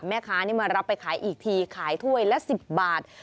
แม่ค้านี่มารับไปขายอีกทีขายถ้วยละ๑๐บาท